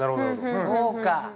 そうか。